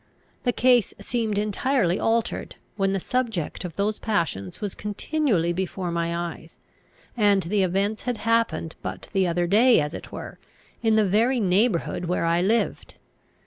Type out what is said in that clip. The case seemed entirely altered, when the subject of those passions was continually before my eyes, and the events had happened but the other day as it were, in the very neighbourhood where I lived.